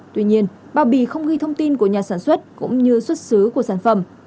tuy nhiên bao bì không ghi thông tin của nhà sản xuất cũng như xuất xứ của sản phẩm